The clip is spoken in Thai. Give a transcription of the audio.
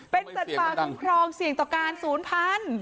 เป็นสัตว์ป่าคุ้มครองเสี่ยงต่อการศูนย์พันธุ์